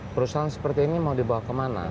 perusahaan seperti ini mau dibawa kemana